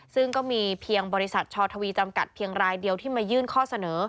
ซึ่งก็มีเพียงบริษัทชอทวีจำกัดเพียงรายเดียวที่มายื่นข้อเสนอ